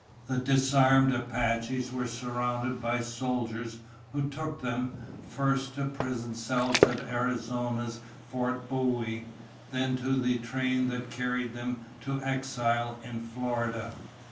The disarmed Apaches were surrounded by soldiers who took them, first to prison cells at Arizona's Fort Bowie, then to the train that carried them to exile in Florida.